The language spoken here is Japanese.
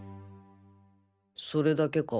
それだけか？